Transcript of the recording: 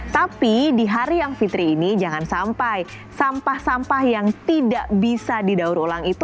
tapi di hari yang fitri ini jangan sampai sampah sampah yang tidak bisa didaur ulang itu